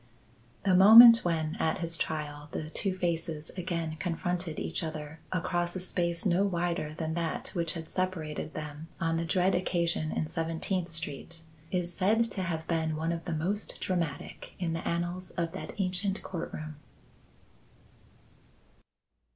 The moment when, at his trial, the two faces again confronted each other across a space no wider than that which had separated them on the dread occasion in Seventeenth Street, is said to have been one of the most dramatic in the annals of that ancient court room.